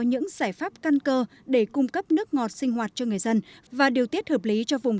những giải pháp căn cơ để cung cấp nước ngọt sinh hoạt cho người dân và điều tiết hợp lý cho vùng